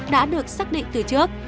đã được xác định từ trước